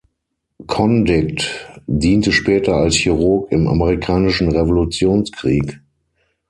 Condict diente später als Chirurg im amerikanischen Revolutionskrieg.